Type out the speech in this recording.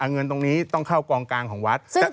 เงินตรงนี้ต้องเข้ากองกลางของวัด